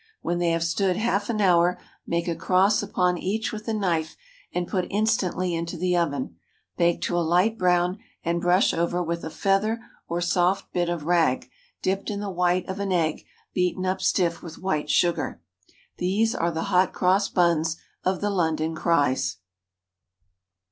When they have stood half an hour, make a cross upon each with a knife, and put instantly into the oven. Bake to a light brown, and brush over with a feather or soft bit of rag, dipped in the white of an egg beaten up stiff with white sugar. These are the "hot cross buns" of the "London cries."